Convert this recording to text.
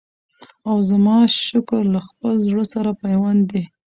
او زما شکر له خپل زړه سره پیوند دی